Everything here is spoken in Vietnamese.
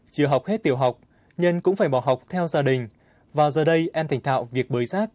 chưa học hết tiểu học nhân cũng phải bỏ học theo gia đình và giờ đây em thành thạo việc bơi rác